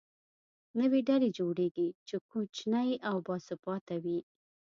نوې ډلې جوړېږي، چې کوچنۍ او باثباته وي.